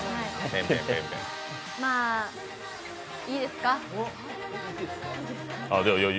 まあ、いいですか？